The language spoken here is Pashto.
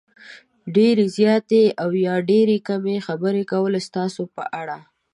ډېرې زیاتې او یا ډېرې کمې خبرې کول ستاسې په اړه